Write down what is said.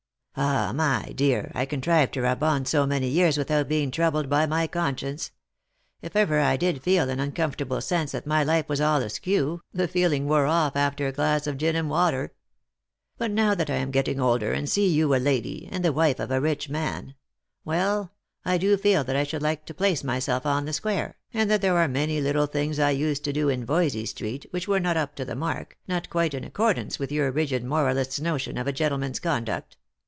" Ah, my dear, I contrived to rub on so many years without being troubled by my conscience. If ever I did feel an uncom fortable sense that my life was all askew, the feeling wore off after a glass of gin and water. But now that I am getting older and see you a lady, and the wife of a rich man — well, I do feel that I should like to place myself on the square, and that there are many little things I used to do in Yoysey street, which were not up to the mark, not quite in accordance with your rigid moralist's notion of a gentleman's conduct.